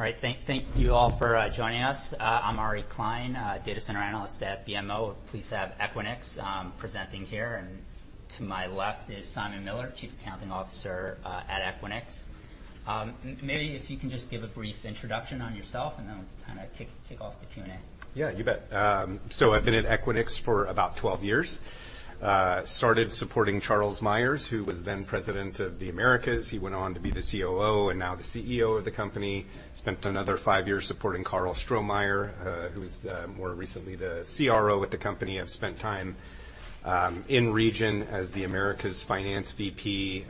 All right. Thank you all for joining us. I'm Ari Klein, Data Center Analyst at BMO. Pleased to have Equinix presenting here, and to my left is Simon Miller, Chief Accounting Officer at Equinix. Maybe if you can just give a brief introduction on yourself, and then we'll kinda kick off the Q&A. Yeah, you bet. I've been at Equinix for about 12 years. Started supporting Charles Meyers, who was then president of the Americas. He went on to be the COO and now the CEO of the company. Spent another five years supporting Karl Strohmayer, who was more recently the CRO at the company. I've spent time in region as the Americas finance VP,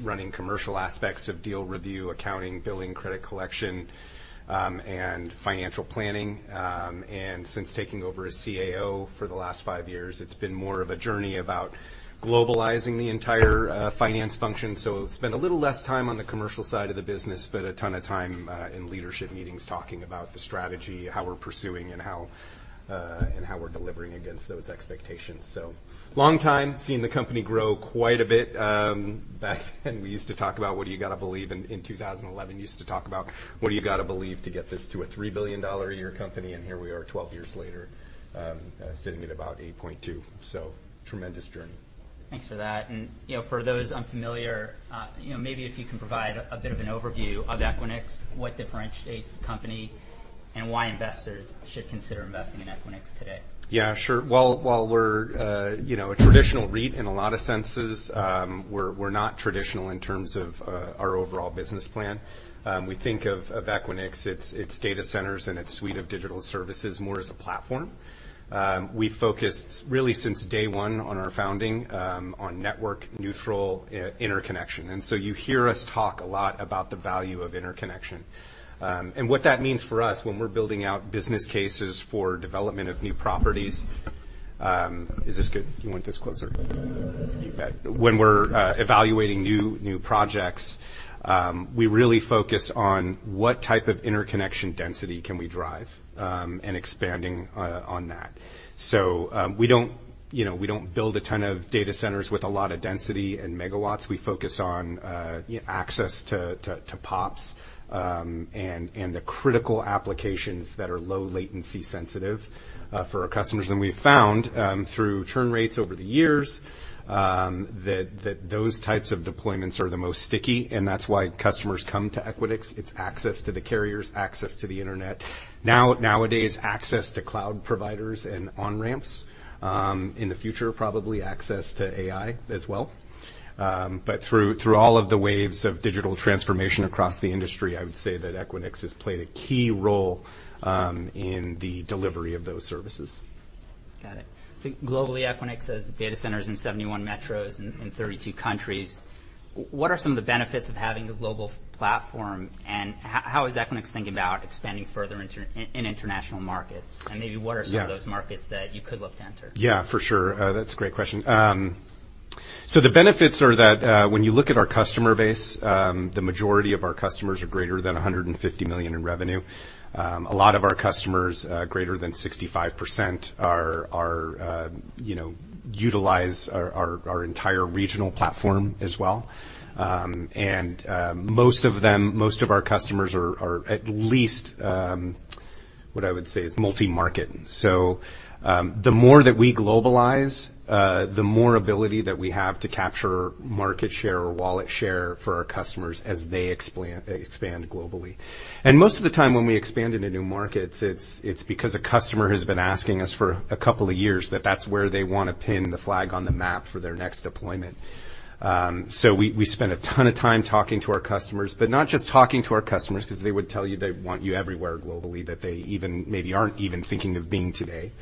running commercial aspects of deal review, accounting, billing, credit collection, and financial planning. And since taking over as CAO for the last five years, it's been more of a journey about globalizing the entire finance function. Spent a little less time on the commercial side of the business, but a ton of time in leadership meetings, talking about the strategy, how we're pursuing, and how and how we're delivering against those expectations. Long time, seeing the company grow quite a bit. Back then, we used to talk about, what do you gotta believe in 2011, we used to talk about, what do you gotta believe to get this to a $3 billion a year company. Here we are 12 years later, sitting at about $8.2 billion. Tremendous journey. Thanks for that. You know, for those unfamiliar, you know, maybe if you can provide a bit of an overview of Equinix, what differentiates the company, and why investors should consider investing in Equinix today? Yeah, sure. Well, while we're, you know, a traditional REIT in a lot of senses, we're not traditional in terms of our overall business plan. We think of Equinix, its data centers and its suite of digital services more as a platform. We focused really since day one on our founding, on network neutral interconnection. So you hear us talk a lot about the value of interconnection. What that means for us when we're building out business cases for development of new properties. Is this good? You want this closer? Yeah. You bet. When we're evaluating new projects, we really focus on what type of interconnection density can we drive, and expanding on that. We don't, you know, we don't build a ton of data centers with a lot of density and megawatts. We focus on access to PoPs, and the critical applications that are low latency sensitive for our customers. We've found through churn rates over the years that those types of deployments are the most sticky, and that's why customers come to Equinix. It's access to the carriers, access to the internet. Nowadays, access to cloud providers and on-ramps, in the future, probably access to AI as well. Through all of the waves of digital transformation across the industry, I would say that Equinix has played a key role in the delivery of those services. Got it. Globally, Equinix has data centers in 71 metros and in 32 countries. What are some of the benefits of having a global platform, how is Equinix thinking about expanding further in international markets? Yeah... some of those markets that you could look to enter? Yeah, for sure. That's a great question. The benefits are that, when you look at our customer base, the majority of our customers are greater than $150 million in revenue. A lot of our customers, greater than 65% are, you know, utilize our entire regional platform as well. Most of them, most of our customers are at least, what I would say, is multi-market. The more that we globalize, the more ability that we have to capture market share or wallet share for our customers as they expand globally. Most of the time, when we expand into new markets, it's because a customer has been asking us for a couple of years that that's where they want to pin the flag on the map for their next deployment. We spend a ton of time talking to our customers, but not just talking to our customers, 'cause they would tell you they want you everywhere globally, that they even maybe aren't even thinking of being today.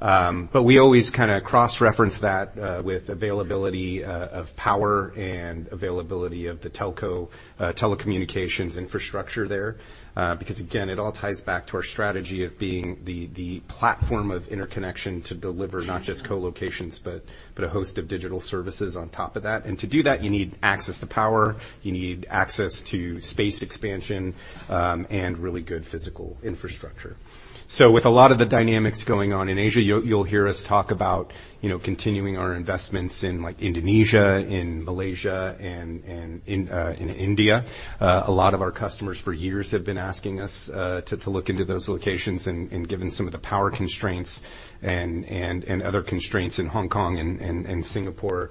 We always kinda cross-reference that with availability of power and availability of the telco telecommunications infrastructure there. Because, again, it all ties back to our strategy of being the platform of interconnection to deliver not just co-locations, but a host of digital services on top of that. To do that, you need access to power, you need access to space expansion, and really good physical infrastructure. With a lot of the dynamics going on in Asia, you'll hear us talk about, you know, continuing our investments in, like, Indonesia, in Malaysia, and in India. A lot of our customers for years have been asking us to look into those locations. Given some of the power constraints and other constraints in Hong Kong and Singapore,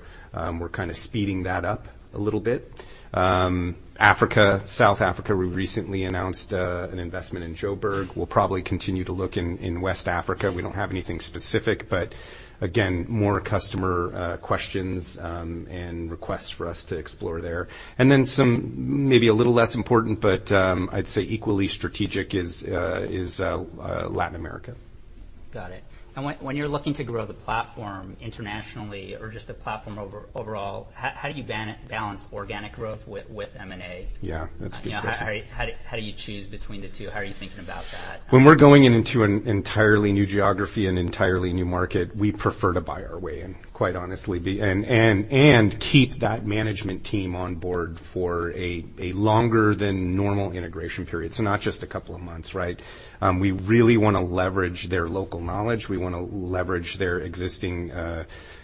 we're kind of speeding that up a little bit. Africa, South Africa, we recently announced an investment in Joburg. We'll probably continue to look in West Africa. We don't have anything specific, but again, more customer questions and requests for us to explore there. Then some maybe a little less important, but, I'd say equally strategic is, Latin America. Got it. When you're looking to grow the platform internationally or just the platform overall, how do you balance organic growth with M&A? Yeah, that's a good question. How do you choose between the two? How are you thinking about that? When we're going into an entirely new geography, an entirely new market, we prefer to buy our way in, quite honestly, and keep that management team on board for a longer than normal integration period. Not just a couple of months, right? We really wanna leverage their local knowledge. We want to leverage their existing,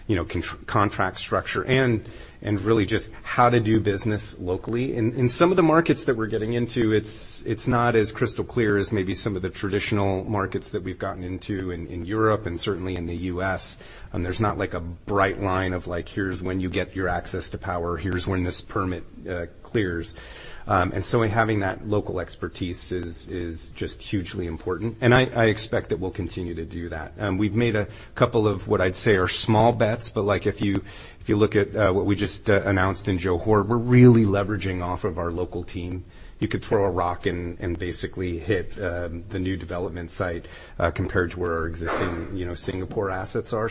you know, contract structure and really just how to do business locally. In some of the markets that we're getting into, it's not as crystal clear as maybe some of the traditional markets that we've gotten into in Europe and certainly in the US. There's not like a bright line of like: Here's when you get your access to power, here's when this permit clears. Having that local expertise is just hugely important, and I expect that we'll continue to do that. We've made a couple of what I'd say are small bets, but like, if you, if you look at what we just announced in Johor, we're really leveraging off of our local team. You could throw a rock and basically hit the new development site compared to where our existing, you know, Singapore assets are.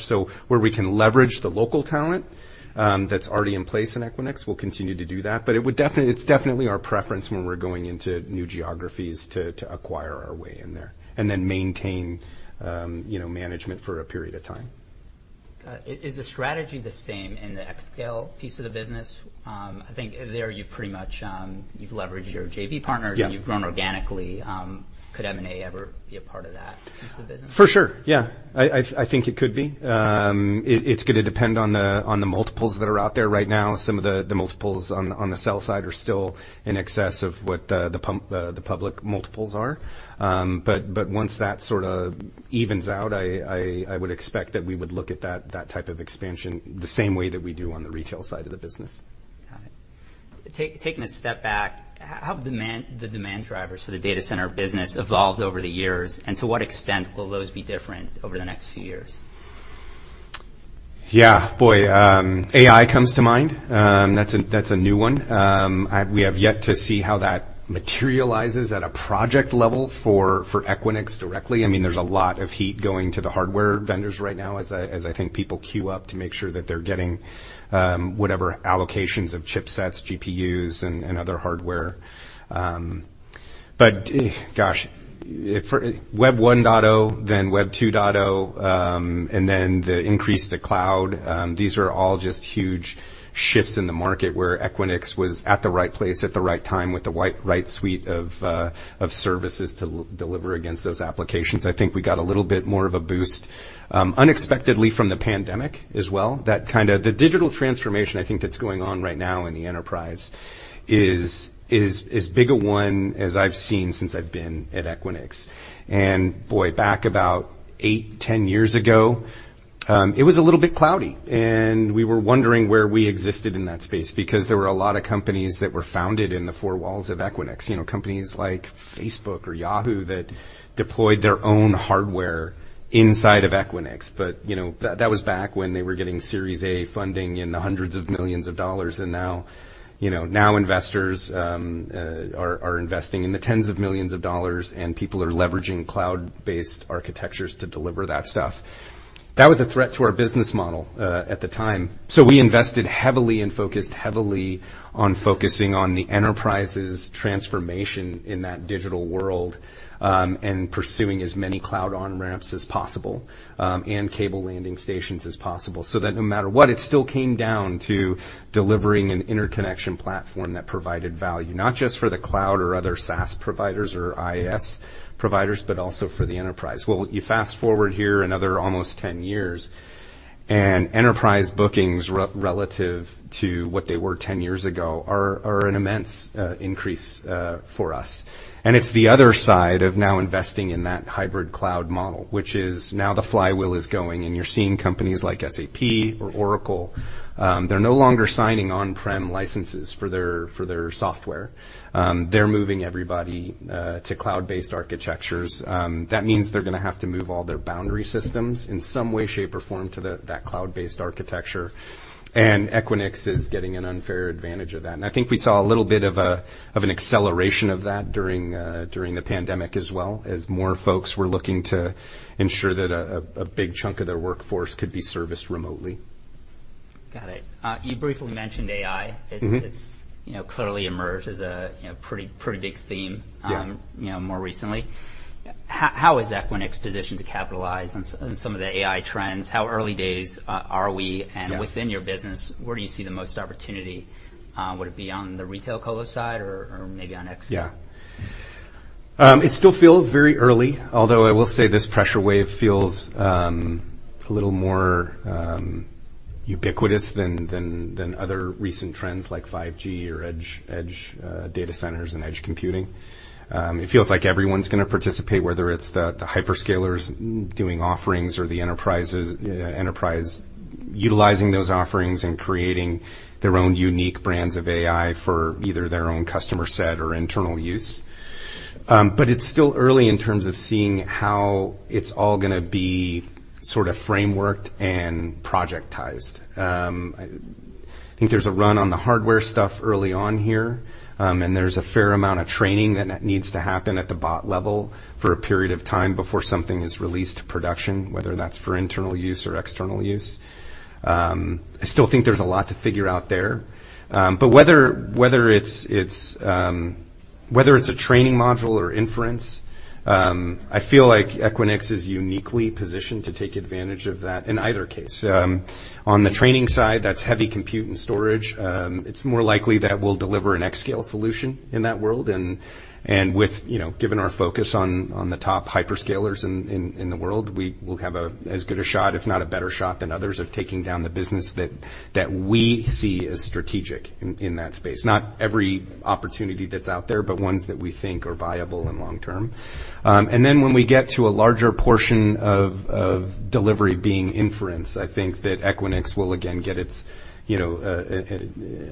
Where we can leverage the local talent that's already in place in Equinix, we'll continue to do that. It's definitely our preference when we're going into new geographies to acquire our way in there, and then maintain, you know, management for a period of time. Is the strategy the same in the xScale piece of the business? I think there you pretty much, you've leveraged your JV partners... Yeah. You've grown organically. Could M&A ever be a part of that piece of business? For sure, yeah. I think it could be. It's gonna depend on the multiples that are out there right now. Some of the multiples on the sell side are still in excess of what, the pump, the public multiples are. Once that sort of evens out, I would expect that we would look at that type of expansion, the same way that we do on the retail side of the business. Got it. Taking a step back, how have the demand drivers for the data center business evolved over the years, and to what extent will those be different over the next few years? Yeah. Boy, AI comes to mind. That's a new one. We have yet to see how that materializes at a project level for Equinix directly. I mean, there's a lot of heat going to the hardware vendors right now, as I think people queue up to make sure that they're getting whatever allocations of chipsets, GPUs, and other hardware. Gosh, for Web 1.0, Web 2.0, the increase to cloud, these are all just huge shifts in the market, where Equinix was at the right place at the right time with the right suite of services to deliver against those applications. I think we got a little bit more of a boost unexpectedly from the pandemic as well. That kind of... The digital transformation, I think that's going on right now in the enterprise is as big a one as I've seen since I've been at Equinix. Boy, back about 8, 10 years ago, it was a little bit cloudy, and we were wondering where we existed in that space because there were a lot of companies that were founded in the four walls of Equinix. You know, companies like Facebook or Yahoo that deployed their own hardware inside of Equinix. You know, that was back when they were getting Series A funding in the hundreds of millions of dollars, and now, you know, now investors are investing in the tens of millions of dollars, and people are leveraging cloud-based architectures to deliver that stuff. That was a threat to our business model at the time. We invested heavily and focused heavily on focusing on the enterprise's transformation in that digital world, and pursuing as many cloud on-ramps as possible, and cable landing stations as possible, so that no matter what, it still came down to delivering an interconnection platform that provided value, not just for the cloud or other SaaS providers or IaaS providers, but also for the enterprise. Well, you fast-forward here another almost 10 years, and enterprise bookings relative to what they were 10 years ago, are an immense increase for us. It's the other side of now investing in that hybrid cloud model, which is now the flywheel is going, and you're seeing companies like SAP or Oracle, they're no longer signing on-prem licenses for their software. They're moving everybody to cloud-based architectures. That means they're gonna have to move all their boundary systems in some way, shape, or form to that cloud-based architecture. Equinix is getting an unfair advantage of that. I think we saw a little bit of an acceleration of that during the pandemic as well, as more folks were looking to ensure that a big chunk of their workforce could be serviced remotely. Got it. You briefly mentioned AI. It's, you know, clearly emerged as a, you know, pretty big theme. Yeah... you know, more recently. How is Equinix positioned to capitalize on some of the AI trends? How early days are we? Yeah. Within your business, where do you see the most opportunity? Would it be on the retail colo side or maybe on xScale? Yeah. It still feels very early, although I will say this pressure wave feels a little more ubiquitous than other recent trends like 5G or edge data centers and edge computing. It feels like everyone's gonna participate, whether it's the hyperscalers doing offerings or the enterprise utilizing those offerings and creating their own unique brands of AI for either their own customer set or internal use. It's still early in terms of seeing how it's all gonna be sort of frameworked and projectized. I think there's a run on the hardware stuff early on here, and there's a fair amount of training that needs to happen at the bot level for a period of time before something is released to production, whether that's for internal use or external use. I still think there's a lot to figure out there. Whether it's a training module or inference, I feel like Equinix is uniquely positioned to take advantage of that in either case. On the training side, that's heavy compute and storage. It's more likely that we'll deliver an xScale solution in that world and, with, you know, given our focus on the top hyperscalers in the world, we will have as good a shot, if not a better shot than others, of taking down the business that we see as strategic in that space. Not every opportunity that's out there, but ones that we think are viable and long-term. Then, when we get to a larger portion of delivery being inference, I think that Equinix will again get its, you know,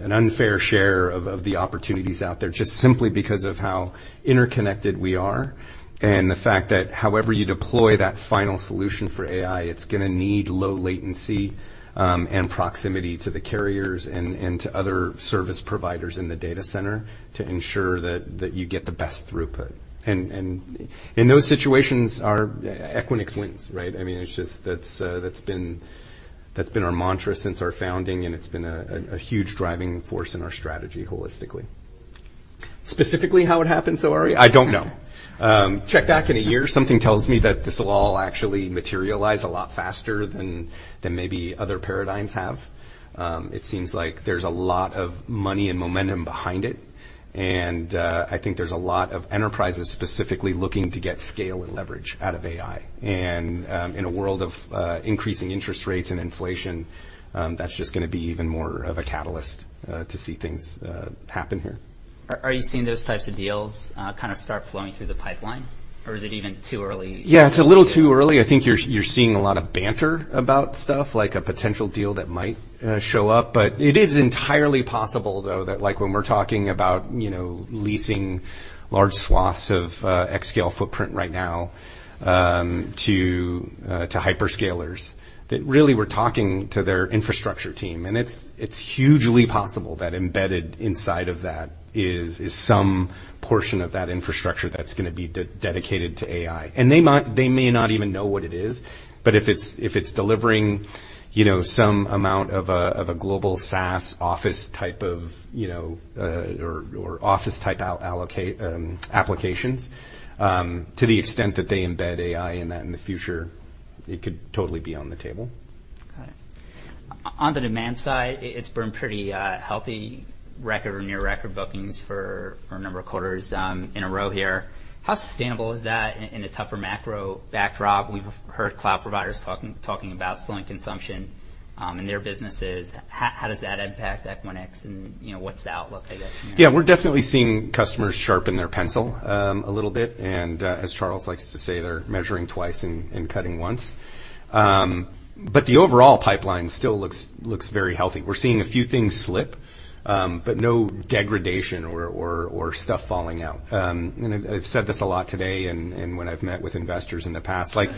an unfair share of the opportunities out there, just simply because of how interconnected we are and the fact that however you deploy that final solution for AI, it's gonna need low latency and proximity to the carriers and to other service providers in the data center to ensure that you get the best throughput. In those situations, Equinix wins, right? I mean, it's just. That's, that's been our mantra since our founding, and it's been a huge driving force in our strategy holistically. Specifically how it happens, though, Ari, I don't know. Check back in a year. Something tells me that this will all actually materialize a lot faster than maybe other paradigms have. It seems like there's a lot of money and momentum behind it, and I think there's a lot of enterprises specifically looking to get scale and leverage out of AI. In a world of increasing interest rates and inflation, that's just gonna be even more of a catalyst to see things happen here. Are you seeing those types of deals, kind of start flowing through the pipeline, or is it even too early? Yeah, it's a little too early. I think you're seeing a lot of banter about stuff, like a potential deal that might show up, but it is entirely possible, though, that, like, when we're talking about, you know, leasing large swaths of xScale footprint right now, to hyperscalers, that really we're talking to their infrastructure team. It's hugely possible that embedded inside of that is some portion of that infrastructure that's gonna be de-dedicated to AI. They may not even know what it is, but if it's delivering, you know, some amount of a, of a global SaaS office type of, you know, or office type applications, to the extent that they embed AI in that in the future, it could totally be on the table. Got it. On the demand side, it's been pretty healthy record or near record bookings for a number of quarters in a row here. How sustainable is that in a tougher macro backdrop? We've heard cloud providers talking about slowing consumption in their businesses. How does that impact Equinix and, you know, what's the outlook, I guess, from there? We're definitely seeing customers sharpen their pencil a little bit, as Charles likes to say, they're measuring twice and cutting once. The overall pipeline still looks very healthy. We're seeing a few things slip, no degradation or stuff falling out. I've said this a lot today and when I've met with investors in the past, like,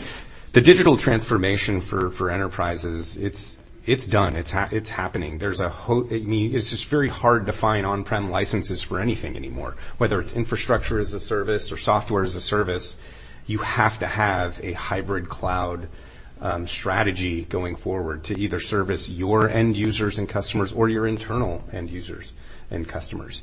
the digital transformation for enterprises, it's done. It's happening. I mean, it's just very hard to find on-prem licenses for anything anymore, whether it's infrastructure as a service or software as a service, you have to have a hybrid cloud strategy going forward to either service your end users and customers or your internal end users and customers.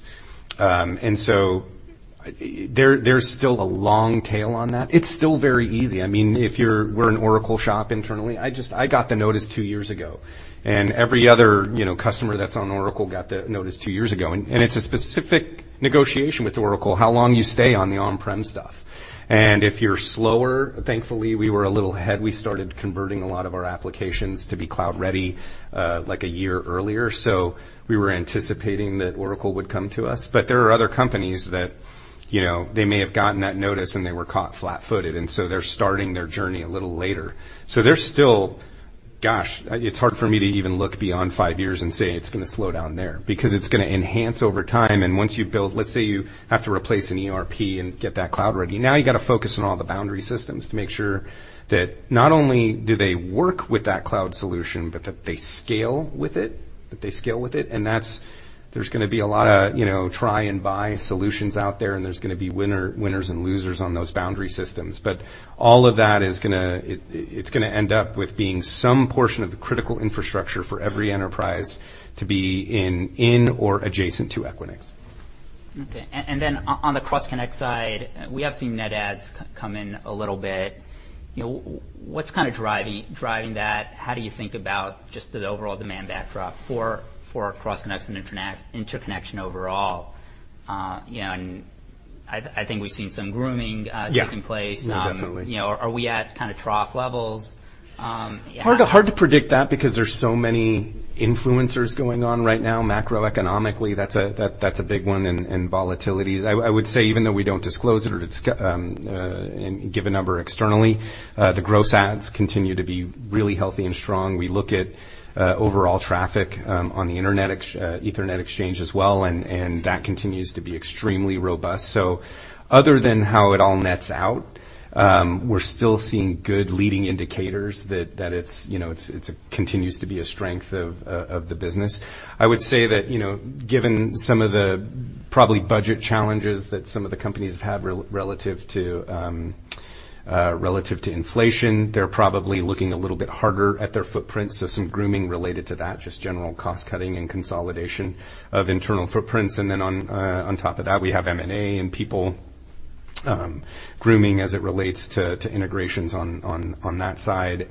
There's still a long tail on that. It's still very easy. I mean, we're an Oracle shop internally. I got the notice two years ago. Every other, you know, customer that's on Oracle got the notice two years ago. It's a specific negotiation with Oracle, how long you stay on the on-prem stuff. If you're slower... Thankfully, we were a little ahead. We started converting a lot of our applications to be cloud ready, like a year earlier, so we were anticipating that Oracle would come to us. There are other companies that, you know, they may have gotten that notice, and they were caught flat-footed, and so they're starting their journey a little later. There's still... Gosh, it's hard for me to even look beyond five years and say it's gonna slow down there because it's gonna enhance over time, and once you've built. Let's say you have to replace an ERP and get that cloud ready. Now, you've got to focus on all the boundary systems to make sure that not only do they work with that cloud solution, but that they scale with it, and that's. There's gonna be a lot of, you know, try and buy solutions out there, and there's gonna be winners and losers on those boundary systems. All of that is gonna it's gonna end up with being some portion of the critical infrastructure for every enterprise to be in or adjacent to Equinix. Okay, then on the Cross Connect side, we have seen net adds come in a little bit. You know, what's kind of driving that? How do you think about just the overall demand backdrop for Cross Connect and interconnection overall? You know, I think we've seen some grooming. Yeah... taking place. Definitely. You know, are we at kind of trough levels? Hard to predict that because there's so many influencers going on right now. Macroeconomically, that's a big one, and volatility. I would say, even though we don't disclose it or and give a number externally, the gross adds continue to be really healthy and strong. We look at overall traffic on the Internet Exchange as well, and that continues to be extremely robust. Other than how it all nets out, we're still seeing good leading indicators that it's, you know, it continues to be a strength of the business. I would say that, you know, given some of the probably budget challenges that some of the companies have had relative to inflation, they're probably looking a little bit harder at their footprint. Some grooming related to that, just general cost-cutting and consolidation of internal footprints. Then on top of that, we have M&A and people grooming as it relates to integrations on that side.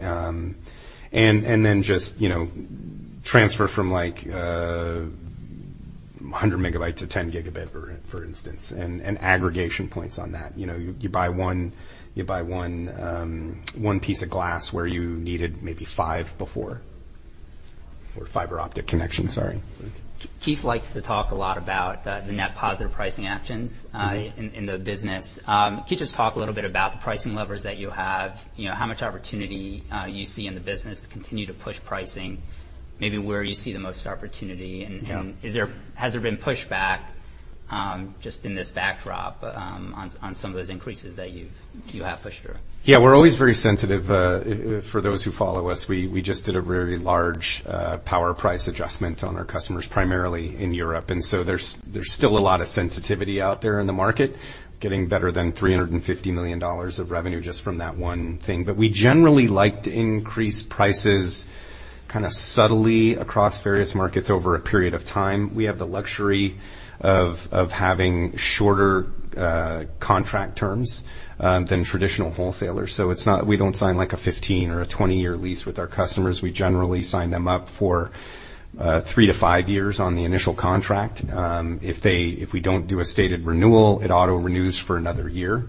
Then just, you know, transfer from like 100 MB to 10 Gb, for instance, and aggregation points on that. You know, you buy one piece of glass where you needed maybe five before, or fiber optic connection, sorry. Keith likes to talk a lot about, the net positive pricing actions. In the business. Can you just talk a little bit about the pricing levers that you have? You know, how much opportunity you see in the business to continue to push pricing, maybe where you see the most opportunity? Yeah. Has there been pushback, just in this backdrop, on some of those increases that you have pushed through? Yeah, we're always very sensitive. For those who follow us, we just did a very large power price adjustment on our customers, primarily in Europe. There's still a lot of sensitivity out there in the market, getting better than $350 million of revenue just from that one thing. We generally like to increase prices kind of subtly across various markets over a period of time. We have the luxury of having shorter contract terms than traditional wholesalers. We don't sign, like, a 15 or a 20-year lease with our customers. We generally sign them up for 3 to 5 years on the initial contract. If we don't do a stated renewal, it auto-renews for another year.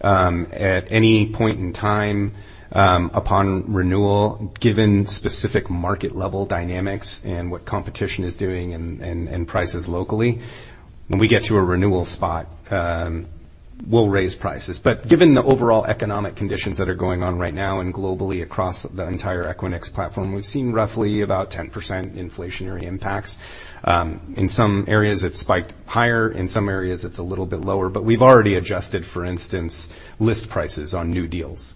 At any point in time, upon renewal, given specific market level dynamics and what competition is doing and prices locally, when we get to a renewal spot, we'll raise prices. Given the overall economic conditions that are going on right now and globally across the entire Equinix platform, we've seen roughly about 10% inflationary impacts. In some areas, it's spiked higher, in some areas, it's a little bit lower, but we've already adjusted, for instance, list prices on new deals.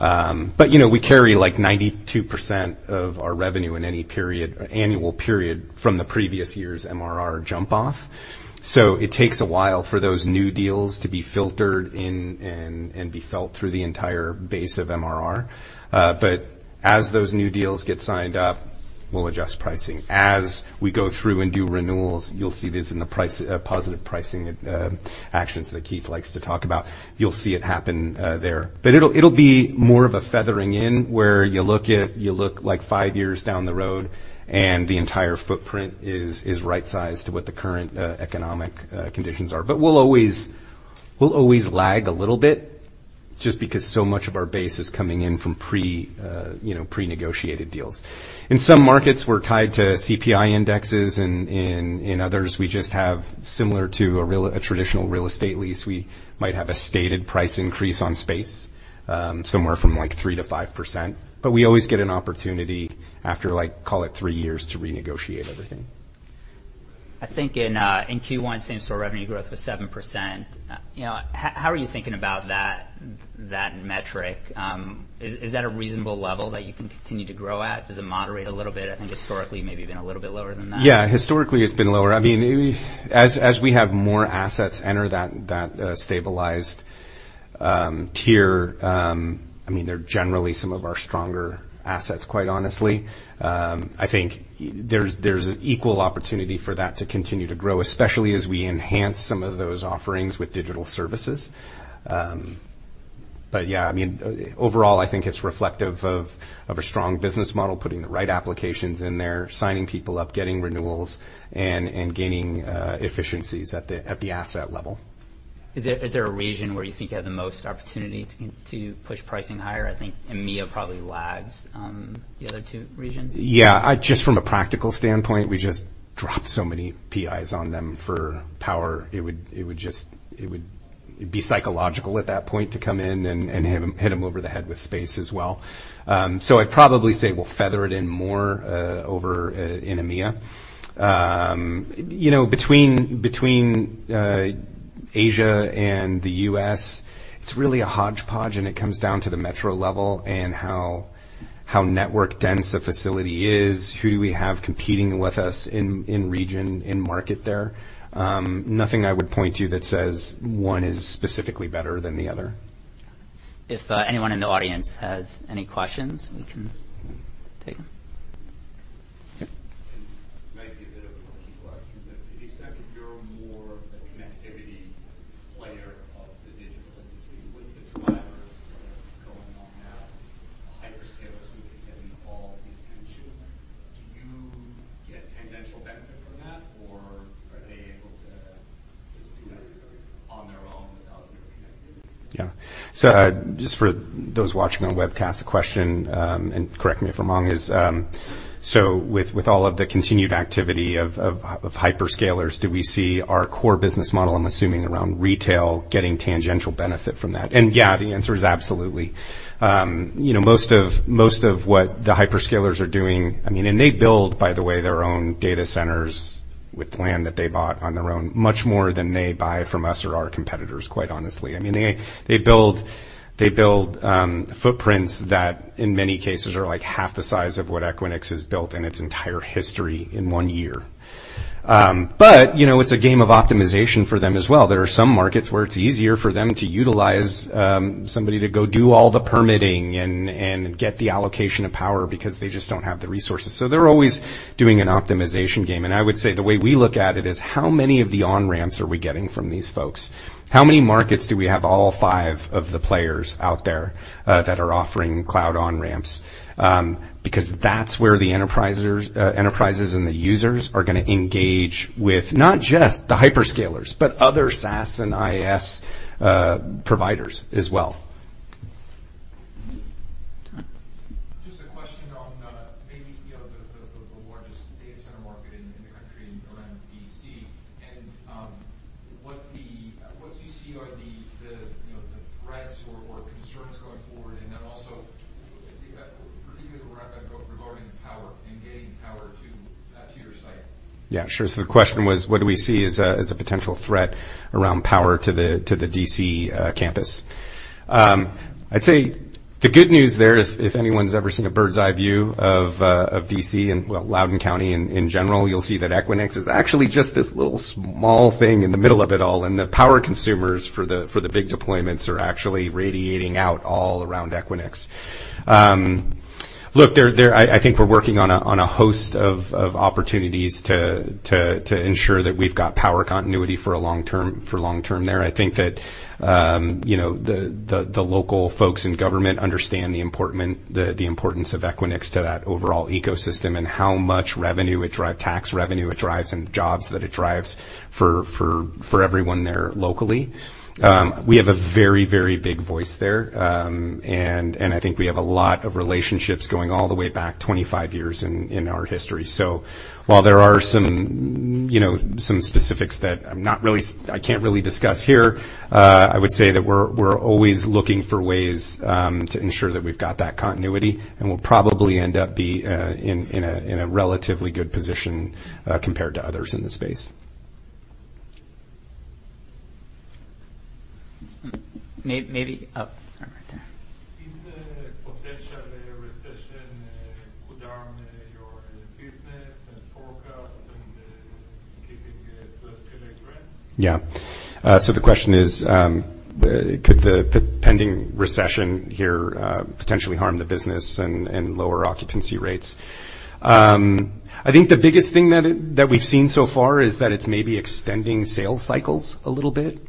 You know, we carry, like, 92% of our revenue in any period, annual period from the previous year's MRR jump-off. It takes a while for those new deals to be filtered in and be felt through the entire base of MRR. As those new deals get signed up, we'll adjust pricing. As we go through and do renewals, you'll see this in the price, positive pricing actions that Keith likes to talk about. You'll see it happen there. It'll be more of a feathering in, where you look like five years down the road, and the entire footprint is right-sized to what the current economic conditions are. We'll always lag a little bit just because so much of our base is coming in from pre, you know, pre-negotiated deals. In some markets, we're tied to CPI indexes, in others, we just have similar to a traditional real estate lease, we might have a stated price increase on space, somewhere from, like, 3%-5%. We always get an opportunity after, like, call it three years, to renegotiate everything. I think in Q1, same-store revenue growth was 7%. You know, how are you thinking about that metric? Is that a reasonable level that you can continue to grow at? Does it moderate a little bit? I think historically, maybe been a little bit lower than that. Yeah. Historically, it's been lower. I mean, as we have more assets enter that stabilized tier, I mean, they're generally some of our stronger assets, quite honestly. I mean, I think there's an equal opportunity for that to continue to grow, especially as we enhance some of those offerings with digital services. Yeah, I mean, overall, I think it's reflective of a strong business model, putting the right applications in there, signing people up, getting renewals, and gaining efficiencies at the asset level. Is there a region where you think you have the most opportunity to push pricing higher? I think EMEA probably lags the other two regions. Yeah. Just from a practical standpoint, we just dropped so many PIs on them for power. It would be psychological at that point to come in and hit them over the head with space as well. I'd probably say we'll feather it in more over in EMEA. You know, between Asia and the US, it's really a hodgepodge, and it comes down to the metro level and how network dense a facility is, who do we have competing with us in region, in market there. Nothing I would point to that says one is specifically better than the other. If, anyone in the audience has any questions, we can take them. It might be a bit of a lucky question, but to the extent that you're more a connectivity player of the digital industry, with the suppliers that are going on now, hyperscalers who are getting all the attention, do you get tangential benefit from that, or are they able to just do that on their own without your connectivity? Yeah. Just for those watching on webcast, the question, and correct me if I'm wrong, is, with all of the continued activity of hyperscalers, do we see our core business model, I'm assuming, around retail, getting tangential benefit from that? Yeah, the answer is absolutely. You know, most of what the hyperscalers are doing. They build, by the way, their own data centers with land that they bought on their own, much more than they buy from us or our competitors, quite honestly. I mean, they build footprints that, in many cases, are like half the size of what Equinix has built in its entire history in one year. You know, it's a game of optimization for them as well. There are some markets where it's easier for them to utilize somebody to go do all the permitting and get the allocation of power because they just don't have the resources. They're always doing an optimization game, and I would say the way we look at it is, how many of the on-ramps are we getting from these folks? How many markets do we have all five of the players out there that are offering cloud on-ramps? Because that's where the enterprises and the users are gonna engage with not just the hyperscalers but other SaaS and IaaS providers as well. Just a question on maybe scale the largest data center market in the country around D.C., and what you see are, you know, the threats or concerns going forward, and then also particularly regarding power and getting power to your site? Yeah, sure. The question was, what do we see as a potential threat around power to the D.C. campus? I'd say the good news there is if anyone's ever seen a bird's-eye view of D.C., and, well, Loudoun County in general, you'll see that Equinix is actually just this little small thing in the middle of it all, and the power consumers for the big deployments are actually radiating out all around Equinix. Look, I think we're working on a host of opportunities to ensure that we've got power continuity for a long term there. I think that, you know, the, the local folks in government understand the importance, the importance of Equinix to that overall ecosystem and how much tax revenue it drives and jobs that it drives for everyone there locally. We have a very big voice there, and I think we have a lot of relationships going all the way back 25 years in our history. While there are some, you know, some specifics that I can't really discuss here, I would say that we're always looking for ways to ensure that we've got that continuity, and we'll probably end up be in a relatively good position compared to others in the space. Maybe, sorry, right there. Is the potential recession, could harm your business and forecast and, keeping it Cross Connect, right? The question is, could the pending recession here potentially harm the business and lower occupancy rates? I think the biggest thing that we've seen so far is that it's maybe extending sales cycles a little bit.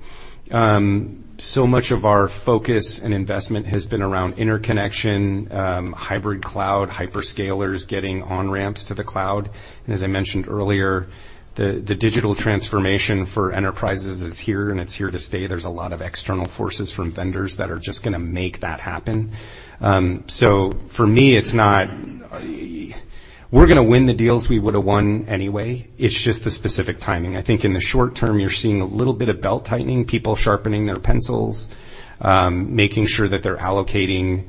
Much of our focus and investment has been around interconnection, hybrid cloud, hyperscalers, getting on-ramps to the cloud. As I mentioned earlier, the digital transformation for enterprises is here, and it's here to stay. There's a lot of external forces from vendors that are just gonna make that happen. For me, it's not. We're gonna win the deals we would have won anyway. It's just the specific timing. I think in the short term, you're seeing a little bit of belt-tightening, people sharpening their pencils, making sure that they're allocating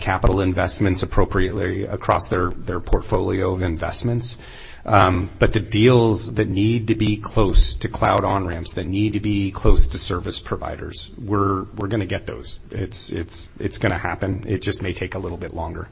capital investments appropriately across their portfolio of investments. The deals that need to be close to cloud on-ramps, that need to be close to service providers, we're gonna get those. It's gonna happen. It just may take a little bit longer.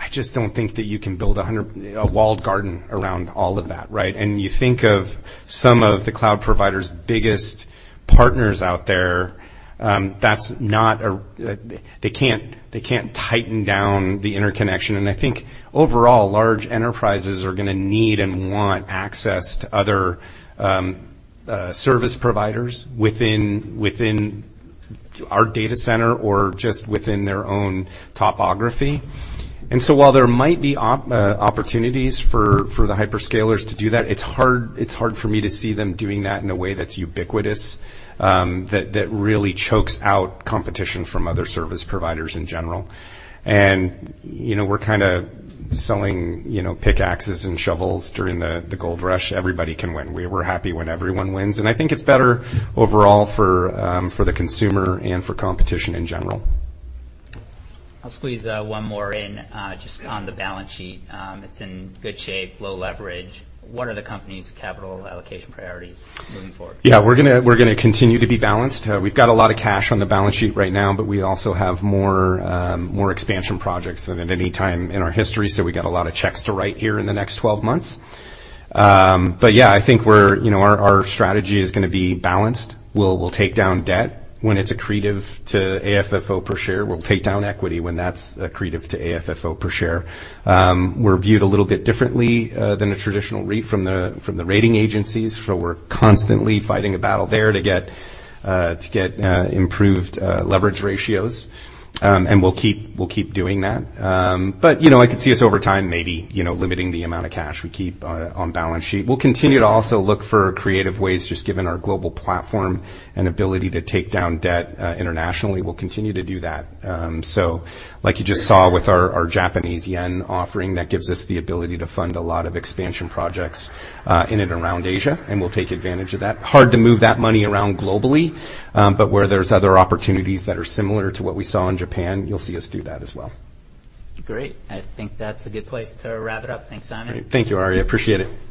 I just don't think that you can build 100, a walled garden around all of that, right? You think of some of the cloud providers' biggest partners out there, that's not a, they can't tighten down the interconnection. I think overall, large enterprises are gonna need and want access to other, service providers within our data center or just within their own topography. While there might be opportunities for the hyperscalers to do that, it's hard for me to see them doing that in a way that's ubiquitous, that really chokes out competition from other service providers in general. You know, we're kind of selling, you know, pickaxes and shovels during the gold rush. Everybody can win. We're happy when everyone wins, and I think it's better overall for the consumer and for competition in general. I'll squeeze one more in just on the balance sheet. It's in good shape, low leverage. What are the company's capital allocation priorities moving forward? Yeah, we're gonna continue to be balanced. We've got a lot of cash on the balance sheet right now, but we also have more expansion projects than at any time in our history, so we got a lot of checks to write here in the next 12 months. Yeah, I think we're, you know, our strategy is gonna be balanced. We'll take down debt when it's accretive to AFFO per share. We'll take down equity when that's accretive to AFFO per share. We're viewed a little bit differently than a traditional REIT from the rating agencies, so we're constantly fighting a battle there to get improved leverage ratios. We'll keep doing that. You know, I could see us over time, maybe, you know, limiting the amount of cash we keep on balance sheet. We'll continue to also look for creative ways, just given our global platform and ability to take down debt internationally. We'll continue to do that. Like you just saw with our Japanese yen offering, that gives us the ability to fund a lot of expansion projects in and around Asia, and we'll take advantage of that. Hard to move that money around globally, where there's other opportunities that are similar to what we saw in Japan, you'll see us do that as well. Great. I think that's a good place to wrap it up. Thanks, Simon. Thank you, Ari. I appreciate it. Thank you, Simon.